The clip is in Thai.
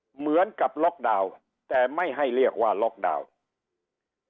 เหมือนกับล็อกดาวน์แต่ไม่ให้เรียกว่าล็อกดาวน์